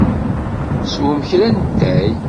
Swem kra n ttay.